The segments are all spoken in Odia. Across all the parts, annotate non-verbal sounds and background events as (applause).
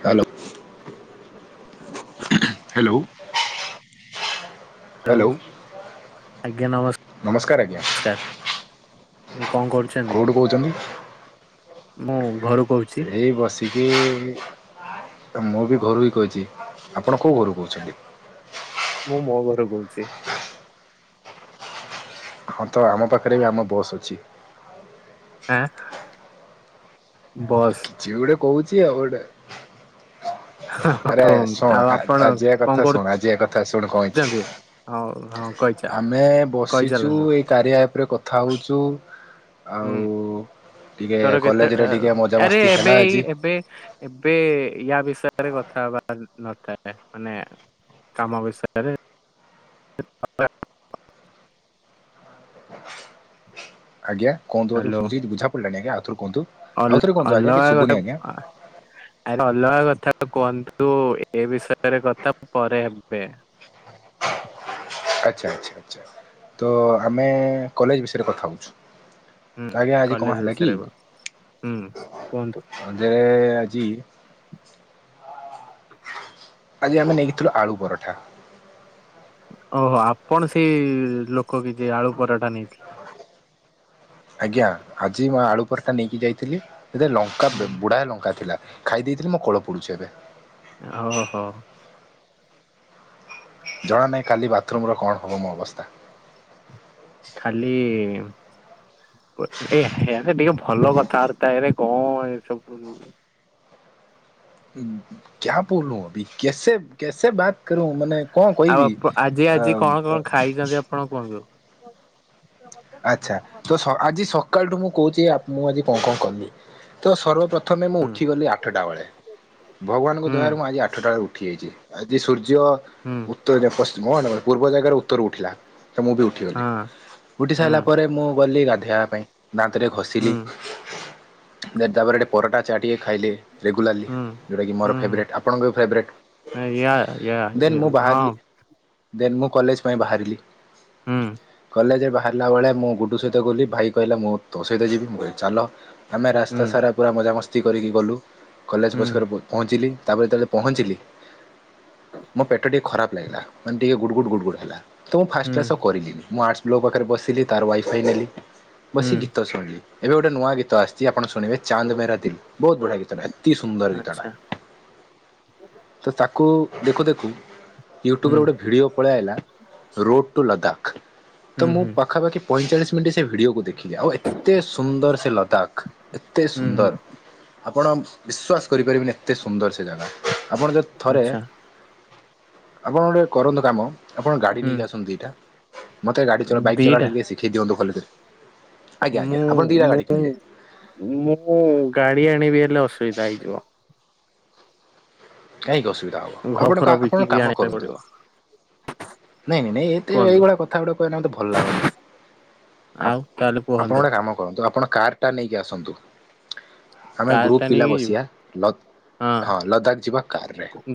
ହ୍ୟାଲୋ। ହ୍ୟାଲୋ। (unintelligible) ହ୍ୟାଲୋ ଆଜ୍ଞା ନମସ୍କାର ହ୍ୟାଲୋ ନମସ୍କାର ଆଜ୍ଞା। ହୁଁ କଉଁଠୁ କହୁଛନ୍ତି? ମୁଁ ଘରକୁ। ଏଇ ବସି। ମୁଁ ବି ଘରୁ ହି କହିଛି ଆପଣ କେଉଁ ଘରୁ କହୁଛନ୍ତି? ମୁଁ ମୋ ଘରୁ କହୁଛି। ହଁ ତ ଆମ ପାଖରେ ବି ଆମ ବସ୍ ଅଛି। ଆଁ ବସ୍। କିଛି ଗୋଟେ କହୁଛି ଆଉ ଗୋଟେ। ଆରେ ଆଉ ଶୁଣ ଆପଣ ଆଜି ଏକ କଣ କଥା ଶୁଣ ଆଜି ଏକ କଥା ଶୁଣ କରୁଛନ୍ତି? ହଉ କହୁଛି ହଁ କହିଚାଲ ଆମେ ବସିଛୁ କହିଚାଲନ୍ତୁ ଏଇ କାରିଆ ଆପରେ କ ଖାଉଚୁ। ହୁଁ ତୋର କେତେ କଲେଜରେ ଟିକେ ଆରେ ମଜାମସ୍ତି ହେଲା ଏବେଇ ଆଜି। ଏବେ ଏବେ ୟା ବି ବିଷୟରେ କଥା ହବାର ନଥାଏ ମାନେ କାମ ବିଷୟରେ ଆଜ୍ଞାୁ କଣ ତୁମ ଆଡୁ ଶୁଭୁଚି ଚା ପିଲେଣି ଆଜ୍ଞା। ଆଉଥରେ କୁହନ୍ତୁ। ଅ ଆଉଥରେ କୁହନ୍ତୁ ଆଜ୍ଞା କିଛି ଅଲଗା ଶୁଭୁନି ଆଜ୍ଞା। କଥା ଆ ଅଲଗା କଥା, କୁହନ୍ତୁ ଏ ବିଷୟରେ କଥା ପରେ ହେବେ। ଆଚ୍ଛା ଆଚ୍ଛା ଆଚ୍ଛା ତ ଆମେ କଲେଜ ବିଷୟରେ କଥା ହେଉଛୁ। ହୁଁ କଲେଜ ବିଷୟରେ ବା ହୁଁ କୁହନ୍ତୁ। ଜି। ଆଜି ଆମେ ନେଇକିଥିଲୁ ଆଳୁ ପରଠା। ଓହୋ ଆପଣ ସେଇ ଲୋକ କି ଯେ ଆଳୁ ପରଠା ନେଇଥିଲେ। ଆଜ୍ଞା ଆଜି ମୁଁ ଆଳୁ ପରଟା ନେଇକି ଯାଇଥିଲି। ଏତେ ଲଙ୍କା ହୁଁ ବୁଢା ଲଙ୍କା ଥିଲା। ଖାଇ ଦେଇେଇଥିଲି ମୋ କଳ ପୋଡୁଛି ଏବେ। ହଉ ହୋ। ଜଣା ନାହିଁ କାଲି ବାଥରୁମର କଣ ହବ ମୋ ଅବସ୍ଥା। ଖାଲି। ଟିକେ ଭଲ କଥାବାର୍ତ୍ତାରେ କଣ ଏସବୁ। କ୍ୟା ବୋଲୁ କେସେ କେସେ ବାତ କରୁ ମାନେ କଣ ଆଉ କହିବି ଆଜି ଆଜି କଣ କଣ ଖାଇଛନ୍ତି ଆପଣ କୁହନ୍ତୁ। ଆଚ୍ଛା ତ ଆଜି ସକାଳଠୁ ମୁଁ କହୁଛି ମୁଁ ଆଜି କଣ କଣ କଲି ତ ସର୍ବପ୍ର ପ୍ରଥମେ ମୁଁ ହୁଁ ଉଠିଗଲି ଆଠଟା ବେଳେ ଭଗବାନଙ୍କ ହୁଁ ଦୟାରୁ ମୁଁ ଆଜି ଆଠଟା ବେଳେ ଉଠିଯାଇଛି। ଆଜି ସୂର୍ଯ୍ୟ ସୂର୍ଯ୍ୟ, ହୁଁ ଉତ୍ତରରେ ପଶ୍ଚିମ ପୂର୍ବ ଜାଗାରେ ଉତ୍ତରୁ ଉଠିଲା। ତ ମୁଁ ବି ଉଠିଗଲି। ହଁ ଉଠି ହୁଁ ସାରିଲା ପରେ ମୁଁ ଗଲି ଗାଧୋଇବା ପାଇଁ। ଦାନ୍ତରେ ଘଷିଲି। ହୁଁ ଦେନ ତାପରେ ଏଠି ପରଟା ଚା ଟିକେ ଖାଇଲି ରେଗୁଲାଲ୍ଲି, ହୁଁ। ଯଉଟାକି ମୋର ଫେବ୍ ହୁଁ ରାଇଟ୍ସ ଆପଣଙ୍କର ବି ଫେବ୍ ୟା ୟା ରାଇଟ୍ସ। ଦେନ୍ ମୁଁ ହଁ ବାହାରିଲି, ଦେନ୍ ମୁଁ କଲେଜ ପାଇଁ ବାହାରିଲି। ହହୁଁ। କଲେଜରେ ବାହା ହେଲା ବେଳେ ମୁଁ ଗୁଡୁ ସହିତ ଗଲି ଭାଇ କହିଲା ମୁଁ ତୋ ସହିତ ଯିବି, ମୁଁ କହିଲି ଚାଲ। ଆମେ ରାସ୍ତା ହୁଁ ସାରା ପୁର ମଜା ମସ୍ତି- କତି କରିକି ଗଲୁ। କଲେଜ ହୁଁ ପଛକରେ ମୁଁ ପହଞ୍ଚିଲି। ତାପରେ ଯେତେବେଳେ ପହଞ୍ଚିଲି, ମୋ ପେଟ ଟିକେ ଖରାପ ଲାଗିଲା ମାନେ ଟିକେ ଗୁଡ଼ ଗୁଡ଼୍ ଗୁଡ଼ ଗୁଡ଼୍ ହେଲା। ତ ମୁଁ ଫାଷ୍ଟ ହୁଁ କ୍ଲାସ ଆଉ କରିନି, ମୁଁ ଆର୍ଟସ ଲୋ ପାଖରେ ବସ ଥିଲି, ତାର ୱାଇ ଫାଇ ନେଲି। ବସି ହୁଁ ଗୀତ ସୁଣିଲି। ଏବେ ଗୋଟେ ନୂଆ ଗୀତ ଆସିଛି, ଆପଣ ଶୁଣିବେ ଚାନ୍ଦ ମେରା ଦିଲ୍। ବହୁତ ବଢିଆ ଗୀତଟା ଏତେ ସୁନ୍ଦର ଗୀତଟା, ଆଚ୍ଛା ତ ତାକୁ ଦେଖୁ ଦେଖୁ ହୁଁ ୟୁଟ୍ୟୁବରେ ଗୋଟେ ଭିଡ଼ିଓ ପଳେଇଆଇଲା, ରୋଡ ଟୁ ଲଦାଖ। ତ ହୁଁ ମୁଁ ହୁଁ ପାଖାପାଖି ପଇଁଚାଳିଶ ମିନିଟ୍ ସେ ଭିଡିଓକୁ ଦେଖିଲି। ଆଉ ଏତେ ସୁନ୍ଦର ସେ ଲଦାଖ। ଏତେ ହୁଁ ହୁଁ ସୁନ୍ଦର। ଆପଣ ବିଶ୍ୱାସ କରିପାରିବେନି ଏତେ ସୁନ୍ଦର ସେ ଜାଗା, ଆପଣ ଯଦି ଥରେ ଆଚ୍ଛା ଆପଣ ଗୋଟେ କରନ୍ତୁ କାମ। ଆପଣ ଗାଡି ହୁଁ ନେଇକି ଆସନ୍ତୁ ଦିଟା, ମତେ ଗାଡି ଚଳ ବାଇକ ଚଲା ଦିଟା ଟିକେ ଶିଖେଇ ଦିଅନ୍ତୁ ଭଲ କରି। ମୁଁ, ମୁଁ, କିଣିବେ ମୁଁ ଗାଡି ଆଣିବି ହେଲେ ଅସୁବିଧା ହେଇଯିବ। କାଇଁକି ଅୁବିଧା ଘ ଆପଣ ଫର ଆପଣ ଗଟେ ବିକିକି କାମ ଆଣିବା ପାଇଁ କରନ୍ତୁ ପଡିବ ନାଇଁ ନାଇଁ ନାଇଁ ଏତେ କୁହନ୍ତୁ ଏଇଗୁଡା କଥା ଗୁେ କହ ମତେ ଭଲ ଲାଗୁନି ଆଉ ତାହେଲେ ଆପଣ କୁହନ୍ତୁ। ଗୋଟେ କାମ କରନ୍ତୁ ଆପଣ କାରାଟା ନେଇକି ଆସନ୍ତୁ ଆମେ କାର ଗ୍ରୁପ ଟା ପିଲା ନେଇକି ଯିବେ ବସିବା ଲ ହଁ ଲଦାଖ ଯିବ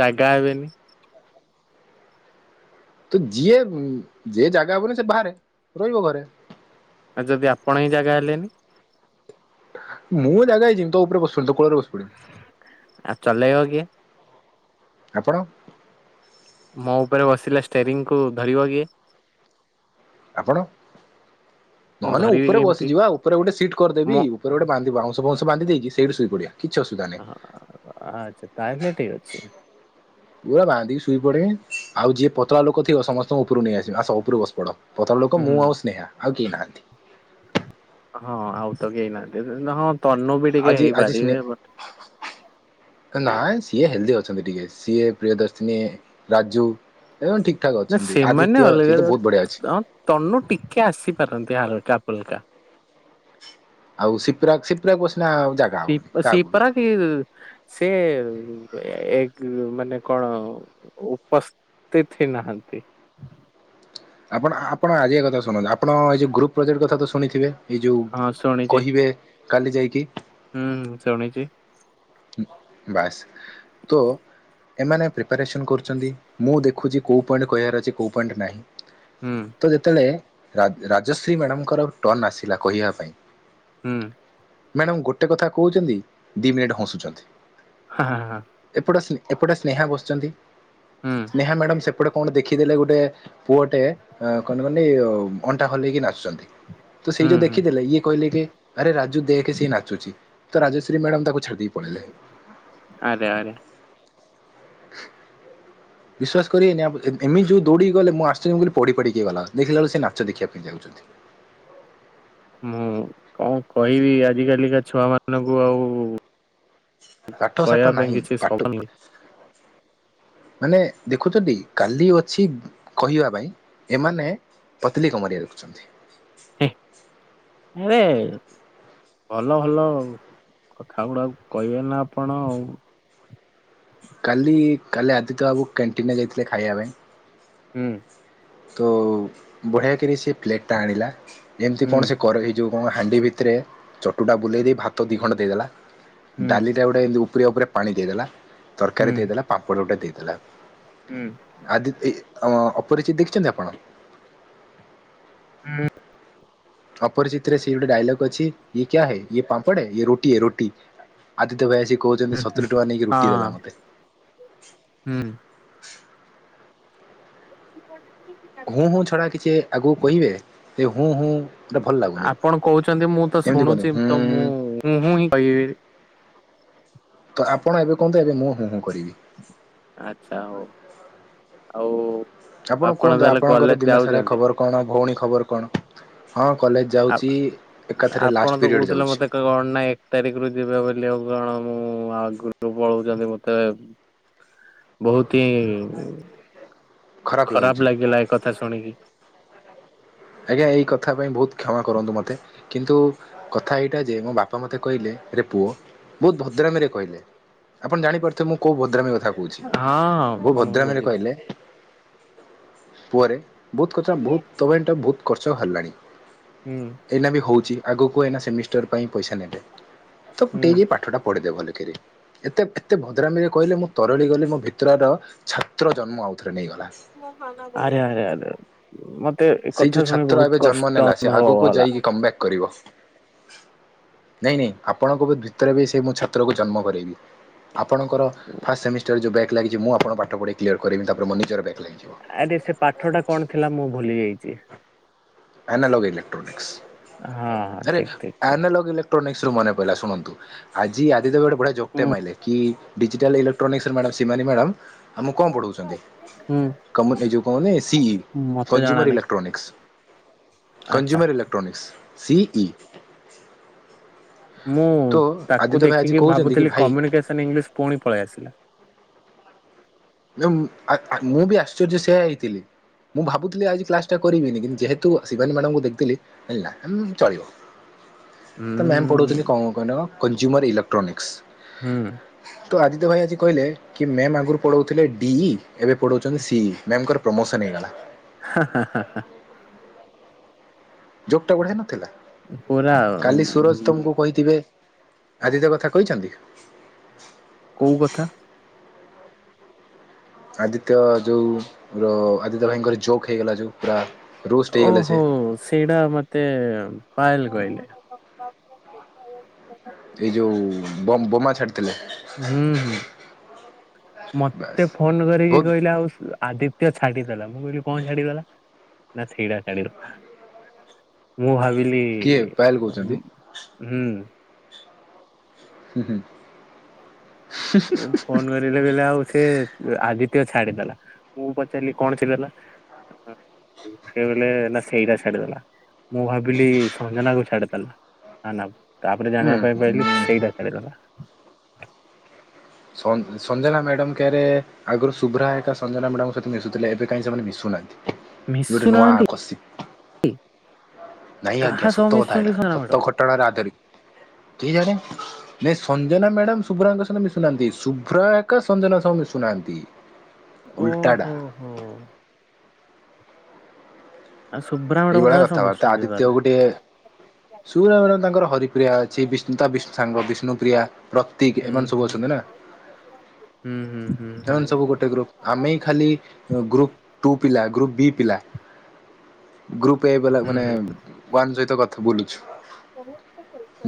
ଜାଗା ବି ି (unintelligible) ତ ଯିଏ ଯିଏ ଜାଗା ହବନି ସେ ବାହାରେ ରହିବ ଘରେ ଆଉ ଯଦି ଆପଣ ହିଁ ଜାଗା ହେଲେନି ମୁଁ ଜାଗା ହେଇଛିି ତ ଉପରେ ବସୁ ତ କୁଳ ବୁ ଆଉ ଚଲେଇବ କି ଆପଣ ମୋ ଉପରେ ବସିଲା ଷ୍ଟୋରଙ୍ଗ କୁ ଧରିବ କିଏ ଆପଣ ମୁଁ ନହ ନ ଧରିବି ଉପରେ କେମିତି ବସିଯିବା ଉପରେ ଗୋଟେ ସିଟ କରିଦେବି ମୁଁ ଉପରେ ଗୋଟେ ବାନ୍ଧିବଉଁଶଁଶ ବାଧି ଦେଇକ ସେଠୁ ଶୋଇ ପଡଆ ଆ୍ଛା ତାହଲେ ଟିକ ହଛି ପୁରା ବାଧନ୍ତିିକି ଶୋଇ ପଡିବି ଆଉ ଯିଏ ପତଳା ଲୋକ ଥିବ ସମସ୍ତଙ୍କ ଉପରୁ ନେଇ ଆସିବି ଆସ ଉପରୁ ବସ ପଡ ପଥର ଲୋକ ହୁଁ। ମୁଁ ଆଉ ସ୍ନେହା ଆଉ କେି ନାହାନ୍ତି। ହଁ ଆଉ ତ କେନାହାନ୍ତି ହଁ। ତନୁ ବି ଟିକେ ଆଜି ହେଇପାରିବେ ନ ସିଏ ହେଲ୍ଦି ଅଛନ୍ତି ଟିକେ ସିଏ ପ୍ରିୟ ଦର୍ଶିନୀ ରାଜୁ ଏ ଠିକ ଠାକ୍ ନା ଅଛନ୍ତି ଆଦିତ୍ୟ ସେମାନେ ସିଏ ତ ବହୁତ ବଢିଆ ଅଛି। ଅଲଗା ତନୁ ଟିକେ ଆସିପାରନ୍ତି ହାଲକା ଫଲକା ଆଉ ସପ୍ରା ସିପ୍ରା ବସ ସିପରା କି ସେ ମାନେ କଣ ଉପସ୍ଥିତ ହେଇ ନାହାନ୍ତି। ଆପଣ ଆପଣ ଆଜିା କଥା ଶୁନ୍ତୁ ଆପଣ ଏଇ ଯଉ ଗ୍ରୁପ ପ୍ରୋଜେକ୍ଟ କଥା ତ ଶୁଣିଥିବେ। ଏଇ ଯୋଉ ହଁ ଶୁଣିଛି କହିବେ କାଲି ଯାଇକି ହୁଁ ଶୁଣିଛି। ବାସ୍ ତ ଏମାନେ ପ୍ରିପାରେସନ୍ କରୁଛନ୍ତି ମୁଁ ଦେଖୁଛି କେଉଁ ପଏଣ୍ଟ କହିବାର ଅଛି କେଉଁ ପଏଣ୍ଟ ନାହିଁ। ହୁଁ ତ ଯେତେବେଳେ ରାଜଶ୍ରୀ ମ୍ୟାଡ଼ାମଙ୍କର ଟର୍ନ ଆସିଲା କହିବା ପାଇଁ ହୁଁ। ମ୍ୟାଡ଼ାମ ଗୋଟେ କଥା କହୁଛନ୍ତି ଦି ମିନିଟ ହସୁଛି। ଅଛନ୍ତି। ହଁ ହଁ। ଏପଟେ ସ୍ନେହା ବସିଛନ୍ତି। ହୁଁ ସ୍ନେହା ମ୍ୟାଡ଼ାମ ସେପଟେ। କଣ ଦେଖିଦେଲେ ଗୋଟେ ପୁଅଟେ ଅ କଣେ କନି ଅଣ୍ଟା ହଲେଇକି ନାଚୁଛନ୍ତି। ତ ସେଇ ଯୋଉ ହୁଁ ହୁଁ ଦେଖିଦେଲେ ଇଏ କହିଲେ କି ଆରେ ରାଜୁ ଦେକେ ସିଏ ନାଚୁଛି। ତ ରାଜଶ୍ରୀ ମାଡାମ୍ ତାକୁ ଛାଡିଦେବି। ପଳୟଲେ। ଆରେ ଆରେ। ବିଶ୍ଵାସ କରିବେନି! ଏମିତି ଯୋଉ ଦୌଡିି ଗଲେ ମୁଁ, ଆଶ୍ଚର୍ଯ୍ୟ! ମୁଁ ପଢି ପଢିକି ଗଲା ଦେଖିଲା ବେଳକୁ, ସେ ନାଚ ଦେଖିବା ପାଇଁ ଯାଉଛନ୍ତି। ମୁଁ କଣ କହିବି, ଆଜ କାଲିକା ଛୁଆ ମାନଙ୍କୁ ଆଉ ପାଠ ସାଠ କହିବା ପାଇଁ ନାହିଁ କିଛି ପାଠ ଶବ୍ଦ ନାହିଁ। ମାନେ ଦେଖୁଛନ୍ତି କାଲି ଅଛି କହିବା ପାଇଁ ଏମାନେ ପତଲି କ ମାରିୟା ଦେଖୁଛନ୍ତି। ଆରେ। ଭଲ ଭଲ କଥା ଗୁଡା କହିବେ ନା ଆପଣ ଆଉ। କାଲି କାଲି ଆଦିତ୍ୟ ବାବୁ କ୍ୟାଣ୍ଟିନରେ ଯାଇଥିଲେ ଖାଇବା ପାଇଁ। ହୁଁ। ତ ବଢ଼ିଆ କରି ସେ ପ୍ଲେଟ୍ ଆଣିଲା। ଏମିତି କଣ ହୁଁ ସେ କରେ ଏଇ ଯୋଉ। ଏବଂ ହାଣ୍ଡି ଭିତରେ ଚଟୁଟା ବୁଲେଇ ଦେଇ ଭାତ ଦି ଖଣ୍ଡ ଦେଇଦେଲା। ହୁଁ ଡାଲିଟା ଗୋଟେ ଏମିତି। ସୁପ୍ରିୟା ଉପରେ ପାଣି ଦେଇଦେଲା। ତରକାରୀ ହୁଁ ଦେଇଦେଲା ପାପଡ଼ ଗଟା ଦେଇଦ। ଥିଲା। ହୁଁ ହୁଁ ଆଦିତି ଅଉ ଅପରିଚିତି। କହୁଛନ୍ତି ଆପଣ। ହୁଁ ଅପରିଚିତରେ ସେ ଗୋଟେ ଡାଇଲଗ୍ ଅଛି, ଇଏ କ୍ୟାୟ ହେ? ଇଏ ପାମ୍ପଡ ହେ ଇଏ ରୋଟି ହେ ରୋଟି ଆଦିତ୍ୟ ଭାଇ ଆସି କହୁଛନ୍ତି ହୁଁ। ସତୁରି ଟଙ୍କା ନେଇକି ରୁଟି ଦେଲା ହଁ ମୋତେ। ହୁଁ। (unintelligible) ହୁଁ ହୁଁ ଛଡା କିଛି ଆଗକୁ କହିବେ ଏ ହୁଁ ହୁଁ। ଏଟା ଭଲ ଲାଗୁନି ଆପଣ କହୁଚନ୍ତି ମୁଁ ତ ଏମିତି କୁହନ୍ତି ଶୁଣୁଚି ହୁଁ ତ ମୁଁ ହୁଁ ହୁଁ ହିଁ କହିବି। ତ ଆପଣ ଏବେ କୁହନ୍ତୁ ଏବେ ମୁଁ ହୁଁ ହୁଁ କରିବି। ଆଚ୍ଛା ହୋଉ ଆଉ। ଆପଣ କୁହନ୍ତୁ ତାହେଲେ ଆପଣଙ୍କର କଲେଜ ଦିନସାରା ଯାଉଛନ୍ତି। ଖବର କଣ ଭୋଉଣୀ ଖବର କଣ? ହଁ। କଲେଜ ଆଉ ଯାଉଛି ଏକାଥରେ ଆ ଆପଣ ଲାଷ୍ଟ ତ ପିରିୟଡ଼ କହୁଥିଲେ ଯାଉଛି। ମତେ କଣ ନା ଏକ ତାରିଖରୁୁ ଯିବେ ବୋଲି ଆଉ କଣ ମୁଁ ଆଉ ଗପ ପଳାଉଛନ୍ତି ହଉଛନ୍ତି ମତେ। ବହୁତ ହିଃ। ଖରାପ ଲାଗିଲା ଏ କଥା ଶୁଣିକି। ଆଜ୍ଞା, ଏଇ କଥା ପାଇଁ ବହୁତ କ୍ଷମା କରନ୍ତୁ, ମତେ କିନ୍ତୁ କଥା ଏଇଟା ଯେ ମୋ ବାପା ମତେ କହିଲେ ରେ ପୁଅ ବହୁତ ଭଦ୍ରାମୀରେ କହିଲେ ଆପଣ ଜାଣିପାରୁଥିବେ। ମୁଁ କୋଉ ଭ ଭଦ୍ରାମୀ କଥା କହୁଛି। ହଁ ବୋଉ ହଁ ମୁଁ ଭଦ୍ରାମୀରେ ବୁଝିପାରି କହିଲେ ପୁଅରେ! ବହୁତ କଥା ବହୁତ ତମ ଏଟା ବହୁତ। କରଚ ହାରିଲାଣି। ହୁଁ ଏଇନା ବି ହଉଛି। ଆଗକୁ ଏଇନା ସେମିଷ୍ଟର ପାଇଁ ପଇସା ନେବେ। ତ ପୁଟେଇ ହୁଁ ଏ ପାଠ ପଢ୍ ଦେ ଭଲକି। କିରେ ଏତେ ଏତେ ଭଦ୍ରାମୀରେ କହିଲେ ମୁଁ ତରଳି ଗଲି ମୋ ଭିତରର ଛାତ୍ର ଜନ୍ମ ଆଉଥରେ। ନେଇଗଲା। ଆରେ! ଆରେ! ଆରେ! ମତ ସେଇ ଯୋଉ ଛାତ୍ର ଏବେ ଜନ୍ମ ନେଲା। ସେ ଆଗକୁ ହେଲା ଯାଇକି କମ୍ ବ୍ୟାକ କରିବ। ନାଇଁ ନାଇଁ ଆପଣଙ୍କ ଭିତରେ ବି ସେ ମୁଁ ଛାତ୍ରକୁ ଜନ୍ମ କରରୋଇବି। ଆପଣଙ୍କର ଫାଷ୍ଟ ସେମିଷ୍ଟର ଯେଉଁ ବ୍ୟାକ୍। ଲାଗିଛି ମୁଁ ଆପଣଙ୍କୁ ପାଠ ପଢେଇ କ୍ଲିୟର। କରିବି ତାପରେ ମୋ ନିଜର ବ୍ୟାକ୍ ଲାଗିଯିବ। ଆରେ ସେ ପାଠ ଟା କଣ ଥିଲା ମୁଁ ଭୁଲି ଯାଇଛି। (unintelligible) ଏନାଲୋଗି ହଁ ହଁ ଇଲେକ୍ଟ୍ରୋନିକ୍ସ। ଠିକ (unintelligible) ଠିକ ଠିକ ଏଥିରୁ ମନେପଢିଲା ଶୁଣନ୍ତୁ ଆଜି ଆଦିତ୍ୟ ଭାଇ। ଗୋଟେ ଯୋକ୍ଟି ହୁଁ ମାଇଲେ କି? Digital electronics madam Shivani madam. ଆମ କଣ ପଢଉଛନ୍ତି ହୁଁ। ଏଇ ଯୋଉ କହନି ସି ଇ। ମତେ ଜଣା ଜୁମର୍ ନାହିଁ ଏଇଲେକ୍ଟ୍ରୋନିକସ୍। ଆଚ୍ଛା କଂଜ୍ୟୁମର ଇଲେକ୍ଟ୍ରୋନିକ୍ସ। C E. ମୁଁ ତାକୁ ଦେଖିକି କି ଭାବୁଥିଲି ଭାଇ କମ୍ୟୁନିକେସନ୍ ଇଂଲିଶ ପୁଣି ପଳେଇ ଆସିଲା। ଆବେ, ଆ ଆ ମୁଁ ବି ଆଶ୍ଚର୍ଯ୍ୟ ସେୟା ହେଇଥିଲି ମୁଁ ଭାବୁଥିଲି ଆଜି କ୍ଲାସ ଟା କରିବିନି କିନ୍ତୁ, ଯେହେତୁ ଶିବାନୀ ମ୍ୟାଡାମଙ୍କୁ ଦେଖଥିଲି ହେଲା ଉଁ ଚଳିବ। ହୁଁ ତ ମ୍ୟାମ ପଢୁଥିଲି କଣ କଣ କହିଲ କଣ? Consumer electronics. ହୁଁ। ତ ଆଦିତ୍ୟ ଭାଇ ଆଜି କହିଲେ! କି ମ୍ୟାମ୍ ଆଗରୁ ପଢୋଉଥିଲେ ଡି ଇ ଏବେ ପଢୋଉଚନ୍ତି ସି ଇ। ମ୍ୟାମଙ୍କର ପ୍ରମୋସନ ହେଇଗଲା। (unintelligible) ଯୋକ୍ ଟା ବଢିଆ ନଥିଲା? ହାଁ ପୁରା କାଲି ସୁରଜ ତମକୁ କହିଥିବେ? ଆଦିତ୍ୟ କଥା କହିଚନ୍ତି? କୋଉ କଥା? ଆଦିତ୍ୟ ଯୋଉ ରୋ ଆଦିତ୍ୟ ଭାଇଙ୍କର ଚୋର୍କ ହେଇଗଲା ଯୋଉ ପୁରା ରୋଷ୍ଟ ଓ ହେଇଗଲେ ସେ ହୋ ସେଇଡା ମତେ ପାଏଲେ କହିଲେ। ଏଇ ଯୋଉ ବମ୍ ବୋମା ଛାଡି ହୁଁ ହୁଁ ବାସ୍ ମତେ ଫୋନ୍ କରିକି ବହୁତ କହିଲା ଆଉ ଆଦିତ୍ୟ ଛାଡିଦେଲା। ମୁଁ କହିଲି କଣ ଛାଡିଗଲା ନା ଥିଡା ଛାଡିଗଲା। ମୁଁ ଭାବି ଲି କିଏ ପାୟଲ କହୁଛନ୍ତି ହୁଁ ହୁଁ। ହୁଁ ହୁଁ। ଏ ଫୋନ୍ କରିଲେ କହିଲେ ଆଉ ସେ ଆଦିତ୍ୟ ଛାଡିଦେଲା ମୁଁ ପଚାରିଲି କଣ ଛିଡିଦେଲା (unintelligible) ସିଏ କହିଲେ ନା ସେଇଟା ଛାଡିଦେଲା। ମୁଁ ଭାବିଲି ସଞ୍ଜନାକୁ ଛାଡି ହେଲା ନା ଆଉ (unintelligible) ତାପରେ ଜାଣିବା ପାଇଁ ହୁଁ ପାଇଲି ହୁଁ ସେଇଟା ଛାଡିଦେଲ। ସଂ ସଞ୍ଜନା ମ୍ୟାଡମ୍ କେହେରେହେ ଆଗରୁ ଶୁଭ୍ରା ହେରେକା ସଞ୍ଜନା ମ୍ୟାଡାମଙ୍କ ସହିତ ମିଶୁଥିଲେ ଏବେ କାହିଁ ସେମାନେ ମିଶୁ ନାହାନ୍ତି? ମିଶୁ ନାହାନ୍ତି? ନାଇଁ ଆଜ୍ଞା ସତକଥା ଏଟା ସତ ଘଟଣାରେ ଆଦରି କେଇଜାଣି ନାଇଁ ସଞ୍ଜନା ମ୍ୟାଡାମ୍ ଶୁଭ୍ରାଙ୍କ ସହିତ ମିଶୁ ନାହାନ୍ତି ଶୁଭ୍ରା ଏକା ସଞ୍ଜନା ସହ ମିଶୁ ନାହାନ୍ତି। ଓ ହୋ ହୋ। ଆଉ ଶୁଭ୍ରା ମ୍ୟାଡାମ ଏଇଭଳିଆ କାହା ସହ କଥାବାର୍ତ୍ତା ମିଶୁଛନ୍ତି ଆଦିତ୍ୟ ତାହେଲେ। ଗୋଟିଏ ଶୁଭ୍ରା ମ୍ୟାଡାମ ତାଙ୍କର ହରିପ୍ରିୟା ଅଛି ବିଷ୍ଣୁ ତା ବି ସାଙ୍ଗ ବିଷ୍ଣୁପ୍ରିୟା ପ୍ରତିକ୍ ହୁଁ ଏମାନେ ସବୁ ହୁଁ ଅଛନ୍ତି ନା। ହୁଁ ହୁଁ ହୁଁ ହୁଁ ଏମାନେ ସବୁ ଗୋଟେ ଗ୍ରୁପ ଆମେ ଖାଲି ଗ୍ରୁପ ଟୁ ପିଲା ଗ୍ରୁପ ବି ପିଲା ଗ୍ରୁପ୍ ଏ ବାଲା ହୁଁ ମାନେ ହୁଁ। ୱାନ ସହିତ କଥା ତୁ ବୁଲୁଛୁ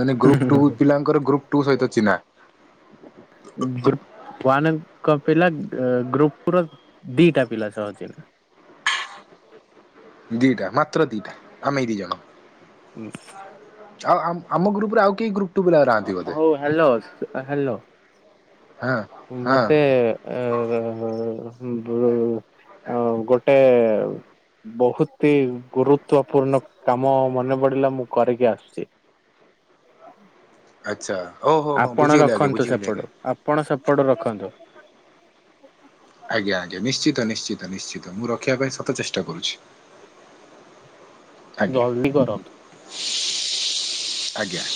ମାନେ ଗ୍ରୁପ ଟୁ ପିଲାଙ୍କର ଗ୍ରୁପ ଟୁ ସହିତ ଚିହ୍ନା? କ ପିଲା ଅ-ଅ-ଅ ଗ୍ରୁପର ଦିଟା ପିଲାସହ ଚିହ୍ନା। ଦିଟା ମାତ୍ର ଦିଟା ଆମେ ଏଇ ଦିଜଣ। (inaudible) ଆଉ ଆମ୍ ଆମ ଗ୍ରପରେ ଆଉ କେହି ଗ୍ରୁପ ଟୁ ପିଲା ହ ନାହାନ୍ତି ବୋଧେ ହଉ ହ୍ୟାଲୋ ହ୍ୟାଲୋ ହଁ ହଁ ମତେ ଏ-ଏ-ଏ-ଏ ଗୋ ଅ ଗୋଟେ-ଏ-ଏ-ଏ ବହୁତି ଗୁରୁତୂପୂର୍ଣ୍ଣ କାମ ମନେ ପଡିଲା ମୁଁ କରିକି ଆସୁଛି। ଆଚ୍ଛା ଓହୋ ହୋ ଆପଣ ବୁଝିଗଲି ଆଜ୍ଞା ରଖନ୍ତୁ ବୁଝିଗଲି ଆଜ୍ଞା ସେପଟୁ, ଆପଣ ସେପଟୁ ରଖନ୍ତୁ। ଆଜ୍ଞା ଆଜ୍ଞା ନିଶ୍ଚିତ ନିଶ୍ଚିତ। ନିଶ୍ଚିତ ମୁଁ ରଖିବା ପାଇଁ ସତ ଚେଷ୍ ଷ୍ଟ କରୁଛି। ଆଜ୍ଞା ଜଲଦି କରନ୍ତୁ। ଆଜ୍ଞା